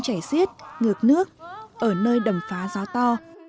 chảy xiết ngược nước ở nơi đầm phá gió to